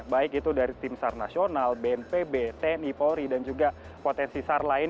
baik itu dari tim sar nasional bnpb tni polri dan juga potensi sar lain